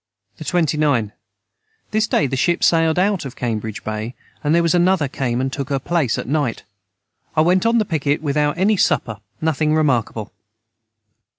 the 29. This day the Ship sailed out of cambridge Bay and their was another came and took her place at night I went on the piquet without any supper nothing remarkable.